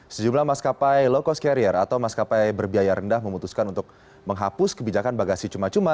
sejumlah maskapai low cost carrier atau maskapai berbiaya rendah memutuskan untuk menghapus kebijakan bagasi cuma cuma